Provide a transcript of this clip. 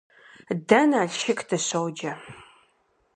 Дэ Налшык дыщоджэ.